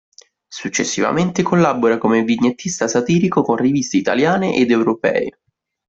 Successivamente collabora come vignettista satirico con riviste italiane ed europee.